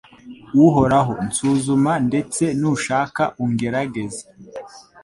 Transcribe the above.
Uhoraho nsuzuma ndetse nushaka ungerageze